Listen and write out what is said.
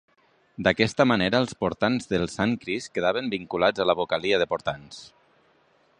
D'aquesta manera els portants del Sant Crist quedaven vinculats a la vocalia de portants.